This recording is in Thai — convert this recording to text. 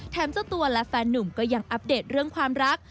เจ้าตัวและแฟนหนุ่มก็ยังอัปเดตเรื่องความรัก